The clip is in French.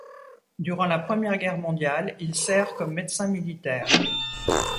Durant la Première Guerre mondiale il sert comme médecin militaire.